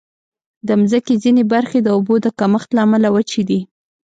د مځکې ځینې برخې د اوبو د کمښت له امله وچې دي.